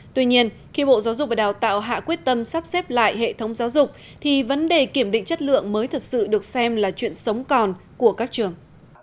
tuy nhiên khi bộ giáo dục và đào tạo hạ quyết tâm sắp xếp lại hệ thống giáo dục thì vấn đề kiểm định chất lượng mới thật sự được xem là chuyện sống còn của các trường